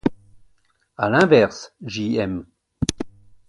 À l’inverse, J-M.